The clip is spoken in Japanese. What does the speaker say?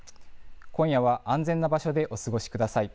今夜は安全な場所でお過ごしください。